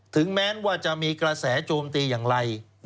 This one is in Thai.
ถึงแม้ว่าจะมีกระแสโจมตีอย่างไร